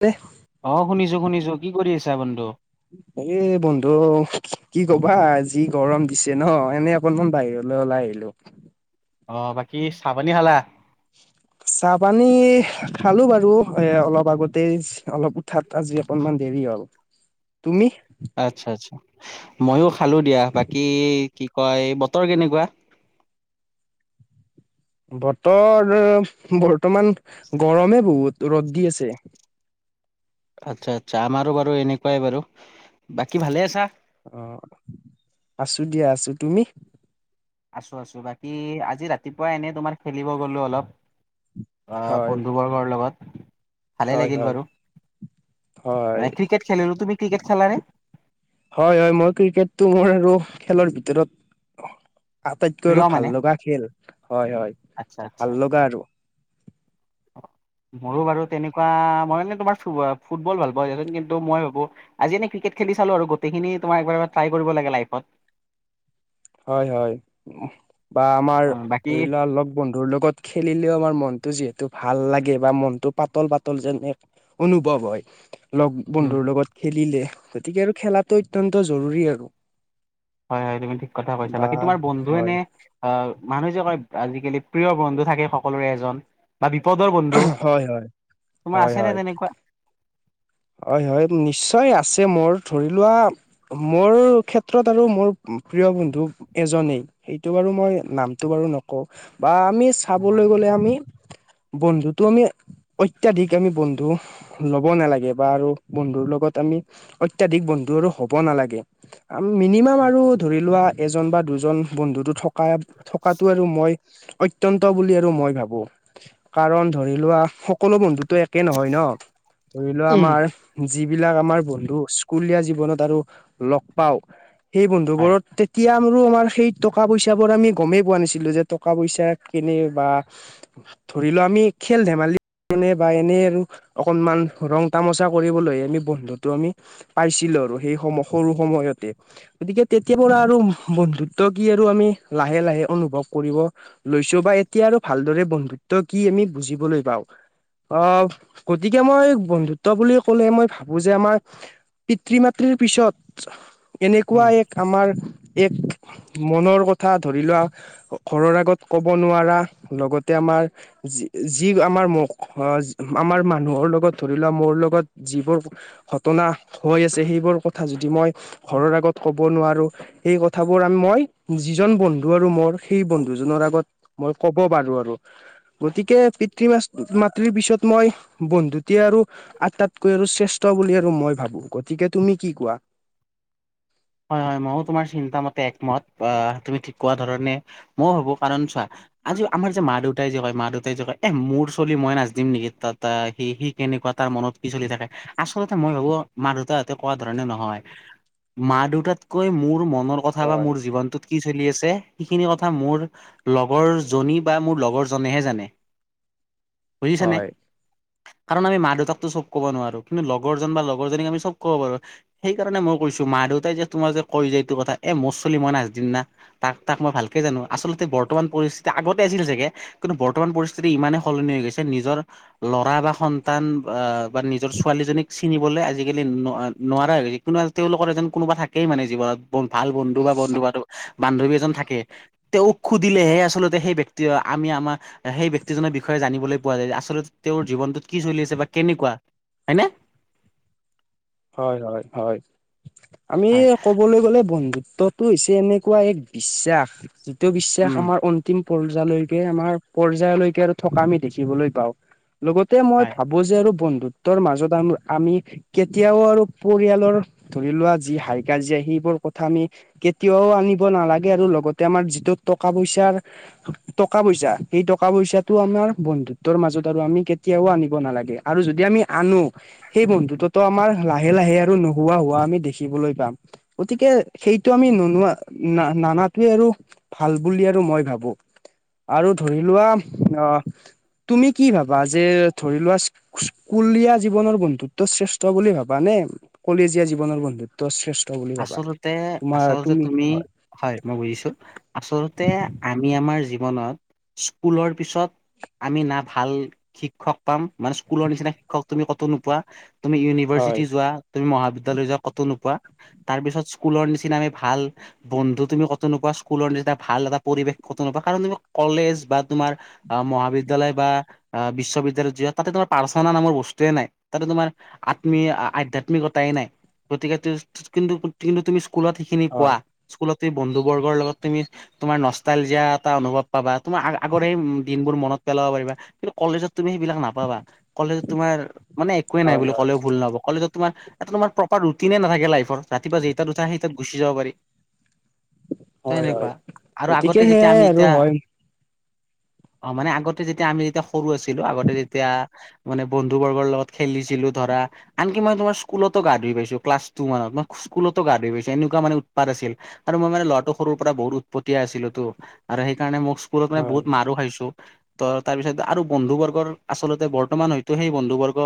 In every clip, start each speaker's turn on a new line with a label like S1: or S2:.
S1: দে
S2: অহ, শুনিছোঁ শুনিছোঁ। কি কৰি আছা বন্ধু?
S1: এ বন্ধু কি কবা যি গৰম দিছে ন' এনেই অকনমান বাহিৰলৈ ওলাই হেল্ল'।
S2: অহ, বাকী চাহ পানী খালা?
S1: চাহ পানী খালো বাৰু এ অলপ আগতেই অলপ ভাত আজি অকনমান দেৰি হ'ল। তুমি?
S2: আচ্ছা আচ্ছা। মইয়ো খালো দিয়া বাকী কি এই বতৰ কেনেকুৱা?
S1: বতৰ বৰ্তমান গৰমে বহুত ৰ'দ দি আছে।
S2: [inaudible] আচ্ছা, আচ্ছা, আমাৰো বাৰু এনেকুৱাই বাৰু। বাকী ভালে আছা?
S1: অ', আছোঁ দিয়া আছোঁ। তুমি?
S2: আছোঁ, আছোঁ। বাকী আজি ৰাতিপুৱা এনেই তোমাৰ খেলিব গ'লো অলপ। অ'
S1: হয়
S2: বন্ধুবৰ্গৰ লগত। ভালে
S1: হয়,
S2: লাগিল
S1: হয়।
S2: বাৰু
S1: হয়।
S2: মানে ক্ৰিকেট খেলিলো তুমি ক্ৰিকেট খেলানে
S1: হয়, হয়, মই ক্ৰিকেটটো মোৰ আৰু খেলৰ ভিতৰত আটাইতকৈ
S2: প্ৰিয়
S1: আৰু
S2: মানে
S1: ভাল লগা খেল। হয়, হয়।
S2: আচ্ছা আচ্ছা
S1: ভাল লগা আৰু।
S2: [inaudible] মোৰো বাৰু তেনেকুৱা, মই মানে তোমাৰ ফুবল-ফুটবল ভাল পাওঁ। [unintelligible] কিন্তু মই ভাবোঁ, আজি এনে ক্ৰিকেট খেলি লি চালো আৰু গোটেইখিনি তোমাৰ একবাৰ-একবাৰ ট্ৰাই কৰিব লাগে লাইফট।
S1: হয়, হয়। বা আমাৰ
S2: অ বাকী
S1: ধৰি লোৱা, লগ-বন্ধুৰ লগত খেলিলেও আমাৰ মন টো যিহেতু ভাল লাগে বা মনটো পাতল-পাতল যেন এ-অনুভৱ হয়।
S2: উম
S1: লগ-বন্ধুৰ লগত খেলিলে, গতিকে আৰু খেলাটো অত্যন্ত জৰুৰী আৰু।
S2: হয়, হয়, তুমি ঠিক কথা কৈছা।
S1: বা
S2: বাকী তোমাৰ বন্ধু এনে,
S1: হয়
S2: আ মানুহে যে কয় আজিকালি প্ৰিয়বন্ধু থাকে সকলোৰে এজন বা বিপ বিপদৰ বন্ধু,
S1: হয় হয়
S2: তোমাৰ
S1: হয়
S2: আছেনে
S1: হয়
S2: তেনেকুৱা?
S1: হয়, হয়, নিশ্চয় আছে মু মোৰ ধৰি লোৱা মোৰ ক্ষেত্ৰত আৰু মোৰ প্ৰিয়বন্ধু এজনেই। সিটো বাৰু মই নামটো বাৰু নকওঁ। বা আমি চাবলৈ গ'লে আমি বন্ধুটো আমি, অত্যাধিক আমি বন্ধু ল'ব নালাগে। বাৰু, বন্ধুৰ লগত আমি অত্যাধিক বন্ধু আৰু হ'ব নালাগে। আ-মিনিমাম আৰু ধৰি লোৱা, এজন বা দুজন বন্ধুটো থকা, থকাটো আৰু মই অত্যন্ত বুলি আৰু মই ভাবোঁ। কাৰণ ধৰি লোৱা, সকলো বন্ধুটো একে নহয় ন'? [inaudible] ধৰি লোৱা
S2: উম
S1: আমাৰ যিবিলাক আমাৰ বন্ধু স্কুলীয়া জীৱনত আৰু লগ পাওঁ, সেই
S2: হয়
S1: বন্ধুবোৰত তেতিয়া [unintelligible] আমাৰ সেই টকা-পইচাবোৰ আমি গমেই পোৱা নাছিলোঁ। যে টকা পইচা কেনেবা ধৰি লোৱা আমি খেল -ধেমালি [unintelligible] বা এনে আৰু অকণমান ৰং তামোচা কৰিবলৈহে আমি বন্ধুটো আমি পাইছিলো আৰু সেই সম-সৰু সময়তে, গতিকে তেতিয়াৰ পৰা আৰু বন্ধুত্ব কি আৰু আমি লাহে লাহে অনুভৱ কৰিব লৈছোঁ বা এতিয়াৰ ভালদৰে বন্ধুত্ব কি আমি বুজিবলৈ পাওঁ। অ', গতিকে মই বন্ধুত ত্ব বুলি ক'লে মই ভাবোঁ যে আমাৰ পিতৃ মাতৃৰ পিছত, এনেকুৱা
S2: উম
S1: এক আমাৰ এক মনৰ কথা ধৰি লোৱা, ঘৰৰ আগত ক'ব নোৱাৰা, লগতে আমাৰ যি আমাৰ মুক-অ আমাৰ মানুহৰ লগত ধৰি লোৱা মোৰ লগত যিবোৰ ঘটনা হৈ আছে, সেইবোৰ কথা যদি মই ঘৰৰ আগত ক'ব নোৱাৰোঁ, সেই কথাবোৰ আ-মই, যি জন বন্ধু আৰু মই সেই বন্ধু জনৰ আগত মই ক'ব পাৰোঁ আৰু। গতিকে পিতৃ-মাচ-মাতৃৰ পিছত মই বন্ধুতে আৰু আটাইতকৈ আৰু শ্ৰেষ্ঠ বুলি আৰু মই ভাবোঁ। গতিকে তুমি কি কোৱা?
S2: হয় হয় ময়ো তোমাৰ চিন্তা মতে একমত অ', তুমি ঠিক কোৱা ধৰণে, মইও ভাবোঁ। কাৰণ চোৱা, আজি আমাৰ যে মা দেউতাই যে কয় মা দেউতাই যে কয় এ মোৰ চলি মই নাজনিম নেকি? তা-তা সি কি-কেনেকুৱা, তাৰ মনত কি চলি থাকে। আচ আচলতে মই ভাবোঁ মা দেউতাহঁতে কোৱা ধৰণে নহয়। মা -দেউতাতকৈ মোৰ মনৰ কথা বা
S1: হয়
S2: মোৰ জীৱনতটোত কি চলি আছে দে এই খিনি কথা মোৰ লগৰ জনী বা মোৰ লগৰ জনেহে জানে। বুজিছানে?
S1: হয়
S2: কাৰণ আমি মা দেউতাকটো চব ক'ব নোৱাৰোঁ। কিন্তু লগৰজন বা লগৰজনীক আমি চব ক'ব পাৰোঁ। সেইকাৰণে মই কৈছোঁ মা দেউতাই যে তোমাৰ যে কয় যে এইটো কথা, এ মোৰ চলি মই নাজনিম না! তাক-তাক মই ভালকে জানো। আচলতে, বৰ্তমান পৰিস্থিতি, আগতে আছিল চাগে, কিন্তু বৰ্তমান পৰিস্থিতি ইমানে সলনি হৈ গৈছে, নিজৰ ল'ৰা বা সন্তান আ-বা নিজৰ ছোৱালীজনীক চিনিবলৈ আজিকালি ন-নোৱাৰা হৈ গৈছে [unintelligible] তেওঁলোকৰ এজন কোনোবা থাকেই মানে জীৱনত। বহুত ভাল বন্ধু বা বন্ধু আৰু বান্ধৱী এজন থাকেই। তেওঁক সুধিলেহে আচলতে, সেই ব্যক্তি আমি আমাৰ সেই ব্যক্তিজনৰ বিষয়ে জানিবলৈ পোৱা যায়। আচলতে তেওঁৰ জীৱনটোত কি চলি আছে বা কেনেকুৱা হয়নে? [inaudible]
S1: হয় হয় হয়। আমি
S2: হয়
S1: কবলৈ গ'লে বন্ধু টো হৈছে এনেকুৱা এক বিশ্বাস যিটো বিশ্বাস
S2: উম
S1: আমাৰ অন্তিম পৰ্যায়লৈকে আমাৰ পৰ্যায়লৈকে আৰু থকা আমি দেখিবলৈ পাওঁ। লগতে মই
S2: হয়
S1: ভাবোঁ যে আৰু বন্ধুত্বৰ মাজত আম আমি কেত কেতিয়াও আৰু পৰিয়ালৰ ধৰি লোৱা যি হাই কাজিয়া সেইবোৰ কথা আমি কেতিয়াও আনিব নালাগে আৰু লগতে আমাৰ যিটো টকা পইচা টকা পইচা সেই টকা, পইচাটো আমাৰ বন্ধুত্বৰ মাজত আৰু আমি কেতিয়াও আনিব নালাগে আৰু যদি আমি আনো সেই বন্ধুত্ব আমাৰ লাহে লাহে আৰু নোহোৱা হোৱা আমি দেখিবলৈ পাম গতিকে সেইটো আমি নোলোৱা না-নানাটোৱে আৰু ভাল বুলি আৰু মই ভাবোঁ। আৰু ধৰি লোৱা আ তুমি কি ভাবা যে ধৰি লোৱা স্কুলীয়া জীৱনৰ বন্ধুত্ব শ্ৰেষ্ঠ ট বুলি ভাবা নে কলেজীয়া জীৱনৰ বন্ধুত্ব শ্ৰেছ
S2: আচলতে আচলতে তুমি, হয় মই বুজিছোঁ। আচলতে আমি আমাৰ জীৱনত স্কুলৰ পিছত আমি না ভাল শিক্ষক পাম মানে স্কুলৰ নিচিনা শিক্ষক তুমি ক'তো নোপোৱা তুমি
S1: হয়
S2: ইউনিভাৰ্চিটি যোৱা, তুমি মহাবিদ্যালয় যোৱা ক'তো নোপোৱা। তাৰ পিছত স্কুলৰ নিচিনা আমি ভাল বন্ধু তুমি ক'তো নোপোৱা, স্কুলৰ নিচিনা ভাল এটা পৰিৱেশ তোমাৰপা কাৰনিবা কলেজ বা তোমাৰ মহাবিদ্যালয় বা বিশ্ববিদ্যালয়ত যি তাতে তোমাৰ পাৰ্চনা নামৰ বস্তুয়ে নাই। তাতে তোমাৰ আত্ম আধ্যাত্মিকতাই নাই গতিকে টো কিন্তু কিন্তু তুমি স্কুলত সেইখিনি পোৱা।
S1: হয়
S2: স্কুলত বন্ধু বৰ্গৰ লগত তুমি তোমাৰ নষ্টালজিয়া এটা অনুভৱ পাবা। তোমাৰ আগৰ দিনবোৰ মনত পেলাব পাৰিবা কিন্তু কলেজত তুমি সেইবিলাক নাপাবা কলেজত তোমাৰ মানে একোৱে নাই
S1: হয় হয়
S2: বুলি কলে ভুল নহ'ব, কলেজত তোমাৰাৰ প্ৰপাৰ ৰুটিনে নথাকে লাইফ ফৰ, ৰাতিপুৱা জেইটাত উঠা সেইটাত গুচি যাব পাৰি। ত'
S1: হয়
S2: সেনেকুৱা
S1: হয়
S2: আৰু
S1: গতিকে
S2: আগতে যেতিয়া
S1: সেয়াই
S2: আমি
S1: আৰু
S2: যেতিয়া
S1: হয়
S2: অ' মানে আগতে যেতিয়া আমি যেতিয়া সৰু আছিলোঁ, আগতে যেতিয়া মানে বন্ধু বৰ্গৰ লগত খেলিছিলোঁ ধৰ ধৰা আনকি মই তোমাৰ স্কুলতো গা ধুই পাইছোঁ ক্লাছ টু মানত ন'। স্কুলতো গা ধুই পাইছোঁ এনেকুৱা মানে উৎপাত আছিল আৰু মই মানে ল'ৰাটো সৰুৰপৰা বহুত উৎপতিয়া আছিলোঁ তো আৰু সেইকাৰণে মোক স্কুলত মই
S1: হয়
S2: বহুত মাৰো খাইছোঁ। ত' তাৰ পিছত আৰু বন্ধু বৰ্গৰ আচলতে বৰ্তমান হয়তো সেই বন্ধু বৰ্গ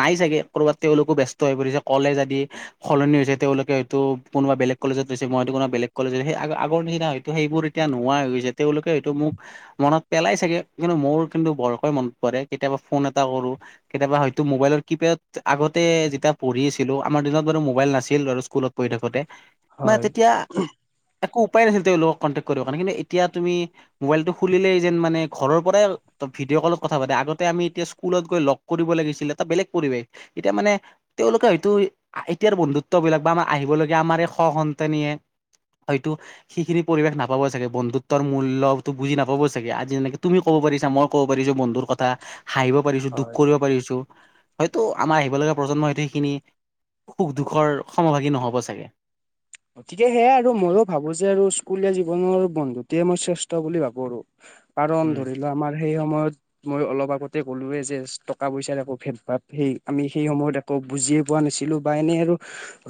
S2: নাই ছাগে। কৰ'বাত তেওঁলোকো ব্যস্ত হৈ পৰিছে, কলেজ আদি সলনি যে তেওঁলোকে হয়তো কোনোবা বেলেগ কলেজত গৈছে, মই হয়তো কোনবা বেলেগ কলেজত, সেই আগৰ নিচনা হয়তো সেইবোৰ এতিয়া নোহোৱা তেওঁলোকে হয়তো মোক মনত পেলাই চাগে কিন্তু মোৰ কিন্তু বৰকৈ মনত পৰে, কেতিয়াবা ফোন এটা কেতিয়াবা হয়তো মোবাইলৰ কিপেড আগতে যেতিয়া পঢ়ি আছিলোঁ আমাৰ দিনত বাৰু মোবাইল নাছিল। নাছিল বাৰু স্কুলত পঢ়ি থাকোঁতে।
S1: হয়।
S2: একো উপায় নাছিল তেওঁলোকক কনটেক্ট কৰিব কাৰণে কিন্তু এতিয়া তুমি মোবাইলটো খুলিলেই যে মানে ঘৰৰ পৰাই ভিডিঅ' কলত কথা পাতে, আগতে আমি এতিয়া স্কুলত গৈ লগ কৰিব লাগিছিল এটা বেলেগ পৰিবেশ এতিয়া মানে তেওঁলোকে হয়তো এতিয়াৰ বন্ধুত্ববিলাক বা আমাৰ আহিবলগীয়া আমাৰ স সন্তানীয়ে হয়তো সেইখিনি পৰিৱেশ নাপাব চাগে, বন্ধুত্বৰ মূল্যটো বুজি নাপাব চাগে, আজি যেনেকে তুমি ক'ব ক'ব পাৰিছা মই ক'ব পাৰিছোঁ বন্ধুৰ কথা, হাঁহিব পাৰিছোঁ দুখ
S1: হয়
S2: কৰিব পাৰিছোঁ। হয়তো আমাৰ আহিবলগীয়া প্ৰজন্মই হয়তো সেইখিনি সুখ দুখৰ সমভাগী নহ'ব চাগে।
S1: গতিকে সেয়াই আৰু ময়ো ভাবোঁ যে আৰু স্কুলীয়া জীৱনৰ বন্ধুত্বয়ে মই শ্ৰেষ্ঠ বুলি ভাবোঁ আৰু। কাৰণ
S2: উম
S1: ধৰি লোৱা আমাৰ সেই সময়ত মই অলপ আগতে কলোৱে যে টকা পইচাৰ একো ভেদ ভাৱ সেই আমি সেই সময়ত একো বুজিয়ে পোৱা নাছিলোঁ বা এনেই আৰু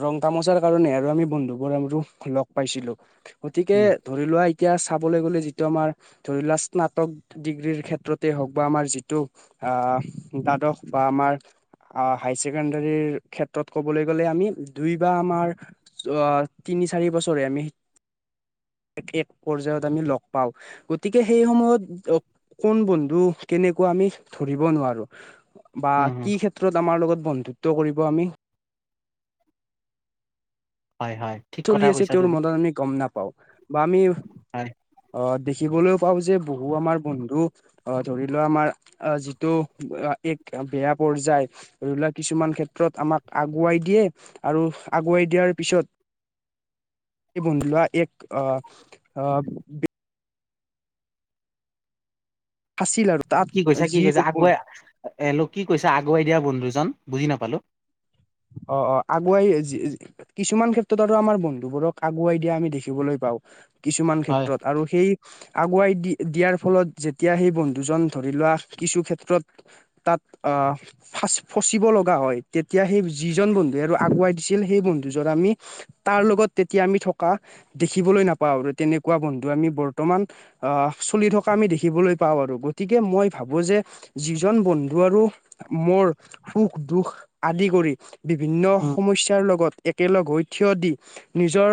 S1: ৰং তামচাৰ কাৰণে আৰু আমি বন্ধু [unintelligible] লগ পাইছিলো গতিকে
S2: উম
S1: ধৰি লোৱা এতিয়া চাবলৈ গ'লে যিটো আমাৰ ধৰি লোৱা স্নাতক ডিগ্ৰীৰ ক্ষেত্ৰতে হওক বা আমাৰ যিটো আহ দ্বাদশ বা আমাৰ হায়াৰ ছেকেণ্ডাৰীৰ ক্ষেত্ৰত ক'বলৈ গ'লে আমি দুই বা আমাৰ তিনি চাৰি বছৰে আমি
S2: [inaudible]
S1: এক এক পৰ্যয়ায়ত আমি লগ পাওঁ গতিকে সেই সময়ত কোন বন্ধু কেনেকুৱা আমি ধৰিবলৈ নোৱাৰোঁ বা
S2: উম হম
S1: কি ক্ষেত্ৰত আমাৰ লগত বন্ধুত্ব কৰিব আমি
S2: হয় হয় ঠিক
S1: চলি
S2: কথা
S1: আছে
S2: কৈছা
S1: তেওঁৰ
S2: তুমি
S1: মনত আমি গম নাপাওঁ বা আমি
S2: হয়
S1: আহ দেখিবলৈও পাওঁ যে বহু আমাৰ বন্ধু ধৰি লোৱা আমাৰ যিটো এক বেয়া পৰ্যায় ধৰিলোৱা কিছুমান ক্ষেত্ৰত আমাক আগুৱাই দিয়ে আৰু আগুৱাই দিয়াৰ পিছত বন্ধ লোৱা এক ফাঁচিল আৰু তাত
S2: কি কৈছা কি কৈছা
S1: যি
S2: আকৌ এ লোক কি কৈছা আগুৱাই দিয়া বন্ধুজন বুজি নাপালো।
S1: অ', অ', আগুৱাই কিছুমান ক্ষেত্ৰত আৰু আমাৰ বন্ধুবোৰক আগুৱাই দিয়া আমি দেখিবলৈ পাওঁ। কিছুমান
S2: হয়
S1: ক্ষেত্ৰত আৰু সেই আগুৱাই দি দিয়াৰ ফলত যেতিয়া সেই বন্ধুজন ধৰি লোৱা কিছু ক্ষেত্ৰত তাত অ', ফচ ফচিব লগা হয় তেতিয়া সেই যিজন বন্ধুে আৰু আগুৱাই দিছিল সেই বন্ধু জন আমি তাৰ লগত তেতিয়া আমি থকা দেখিবলৈ নাপাওঁ তেনেকুৱা বন্ধু আমি বৰ্তমান চলি থকা দেখিবলৈ পাওঁ আৰু গতিকে মই ভাবো যে যিজন বন্ধু আৰু মোৰ সুখ দুখ আদি কৰি বিভিন্ন
S2: উম
S1: সমস্যাৰ লগত একেলগ হৈ থিয় দি নিজৰ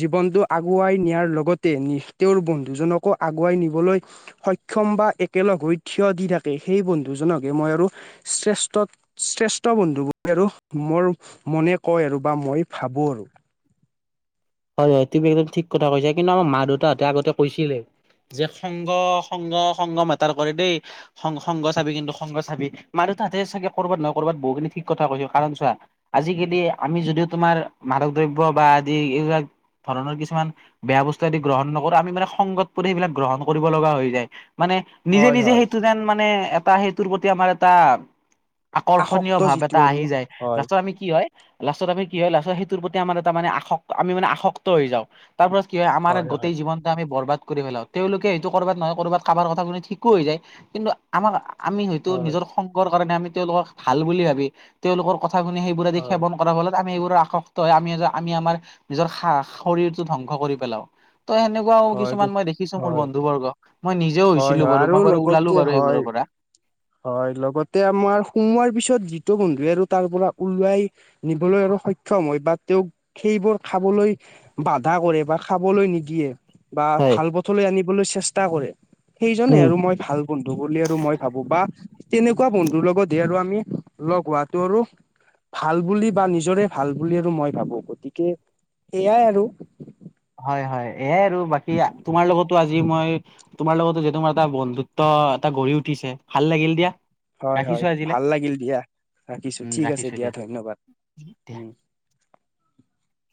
S1: জীৱনটো আগুৱাই নিয়াৰ লগতে তেওঁৰ বন্ধুজনকো আগুৱাই নিবলৈ সক্ষম বা একেলগ হৈ থিয় দি থাকে সেই বন্ধুজনকে মই আৰু শ্ৰেষ্ঠ শ্ৰেষ্ঠ বন্ধু বুলি আৰু মোৰ মনে কয় আৰু বা মই ভাবোঁ আৰু।
S2: হয় হয় তুমি একদম ঠিক কথা কৈছা কিন্তু আমাৰ মা দেউতাহঁতে আগতে কৈছিলে যে সংগ সংগ সংগ মেটাৰ কৰে দেই সং সংগ চাবি কিন্তু সংগ চাবি মান তাতে চাগে কৰবাত নহয় কৰবাত বহুখিনি ঠিক কথা কৈছো কাৰণ চোৱা আজিকালি আমি যদিও তোমাৰ মাদক দ্ৰব্য বা আদি এইবিলাক ধৰণৰ কিছুমান বেয়া বস্তু আদি গ্ৰহণ নকৰো আমি মানে সংগত পৰি সেইবিলাক গ্ৰহণ কৰিব লগা হৈ যায়। মানে নিজে
S1: হয়
S2: নিজে
S1: হয়
S2: সেইটো যেন মানে এটা সেইটোৰ প্ৰতি আমাৰ এটা
S1: আসক্ত
S2: আকৰ্ষণীয় ভাৱ
S1: যিটো
S2: এটা
S1: আৰু
S2: আহি যায়
S1: হয়
S2: লাষ্টত আমি কি হয় লাষ্টত আমি কি হয় লাষ্টত সেইটোৰ প্ৰতি আমাৰ এটা মানে আসক আমি মানে আসক্ত হৈ যাওঁ। তাৰ পৰা কি হয় আমাৰ গোটেই জীৱনটো আমি বৰবাদ কৰি পেলাও তেওঁলোকে এটো কৰবাত নহয় কৰবাত কাৰবাৰ কথা শমানে ঠিকো হৈ যায় কিন্তু আমাক আমি হয়তো
S1: হয়
S2: নিজৰ সংগৰ কাৰণে আমি তেওঁলোকক ভাল বুলি ভাবি তেওঁলোকৰ কথা শুনি সেইবোৰ আদি
S1: হয়
S2: সেৱন কৰাৰ ফলত আমি এইবোৰো আসক্ত হয় আমি আমি আমাৰ নিজৰ শৰীৰটো ধ্বংস কৰি পেলাও। তই সেনেকুৱাও
S1: হয় গ
S2: কিছুমান মই দেখিছো মোৰ
S1: হয়
S2: বন্ধু বৰ্গ মই নিজেও
S1: হয়
S2: হৈছিলো
S1: হয়
S2: বাৰু
S1: আৰু
S2: মই বাৰু ওলালো
S1: লগতে
S2: বাৰু
S1: হয়
S2: সেইবোৰৰ পৰা। [inaudible]
S1: হয় লগতে আমাৰ সুমোৱাৰ পিছত যিটো বন্ধুৱে আৰু তাৰ পৰা উওলোৱাই নিবলৈ আৰু সক্ষম সক্ষম হয় বা তেওঁক সেইবোৰ খাবলৈ বাধা কৰে বা খাবলৈ নিদিয়ে বা
S2: হয়
S1: ভাল পথলৈ আনিবলৈ চেষ্টা কৰে। সেইজনে
S2: উম
S1: আৰু মই ভাল বন্ধু বুলি আৰু মই ভাবো বা তেনেকুৱা বন্ধুৰ লগতহে আৰু আমি লগ হোৱাতটো আৰু ভাল বুলি বা নিজৰে ভাল বুলি আৰু মই ভাবো গতিকে সেয়াই আৰু।
S2: হয় হয় এয়াই আৰু বাকী তোমাৰ লগতো আজি যি মই তোমাৰ লগতো যে তুমাৰ এটা বন্ধুত্ব এটা গঢ়ি উঠিছে ভাল লাগিল দিয়া।
S1: হয়, হয়
S2: ৰাখিছো আজিলে
S1: ভাল লাগিল দিয়া ৰাখিছো
S2: উম
S1: ঠিক আছে
S2: ৰাখিছো
S1: দিয়া ধন্যবাদ।
S2: দিয়া
S1: উম।
S2: [unintelligible]